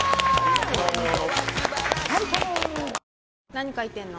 何書いてんの？